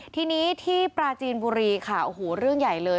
ทีนี้ที่ปราจีนบุรีค่ะโอ้โหเรื่องใหญ่เลย